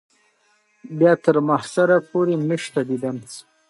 خړه مرغۍ وړه مښوکه لري.